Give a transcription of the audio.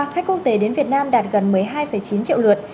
khách quốc tế đến việt nam đạt gần một mươi hai chín triệu lượt